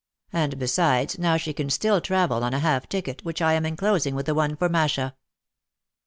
And besides, now she can still travel on half a ticket, which I am en closing with the one for Masha."